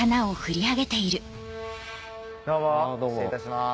どうも失礼いたします。